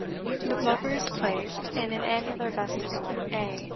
The blubber is placed in an annular vessel, A.